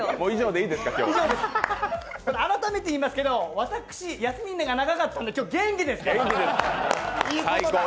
改めて言いますけど、私、休みが長かったんで今日元気です。